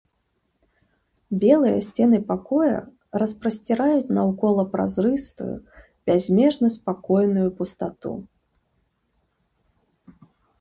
Белыя сцены пакоя распасціраюць наўкола празрыстую, бязмежна спакойную пустату.